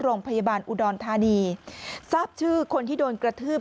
โรงพยาบาลอุดรธานีทราบชื่อคนที่โดนกระทืบ